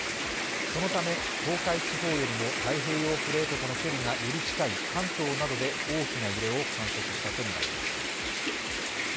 そのため、東海地方よりも太平洋プレートとの距離がより近い関東などで大きな揺れを観測したとみられます。